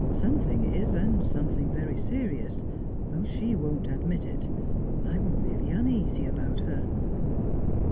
"Something is, and something very serious, though she won't admit it. I'm really uneasy about her."